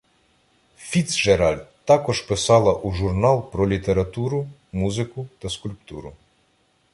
Фіцджеральд також писала у журнал про літературу, музику та скульптуру.